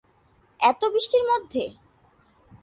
এত বৃষ্টির মধ্যে?